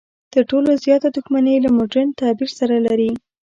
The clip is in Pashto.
تر ټولو زیاته دښمني له مډرن تعبیر سره لري.